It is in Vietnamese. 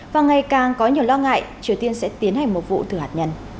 và ngày càng có nhiều lo ngại triều tiên sẽ tiến hành một vụ thử hạt nhân